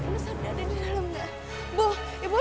mas ardi ada di dalam gak